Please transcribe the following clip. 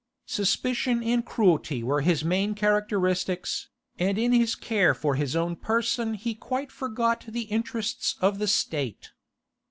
Suspicion and cruelty were his main characteristics, and in his care for his own person he quite forgot the interests of the State.